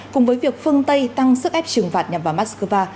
cùng với việc phương tây tăng sức ép trừng phạt nhằm vào moscow